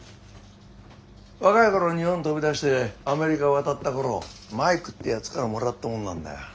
若い頃日本飛び出してアメリカ渡った頃マイクっていうやつからもらったものなんだよ。